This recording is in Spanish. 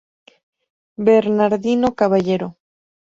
Bernardino Caballero.